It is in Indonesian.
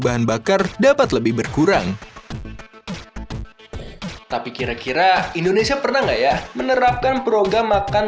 bahan bakar dapat lebih berkurang tapi kira kira indonesia pernah nggak ya menerapkan program makan